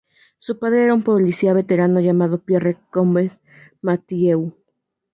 Su padre era un policía veterano llamado Pierre Combes Mathieu.